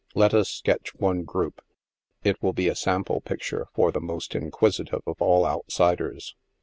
Let us sketch one group — it will be a sample picture for the most inquisitive of all outsiders.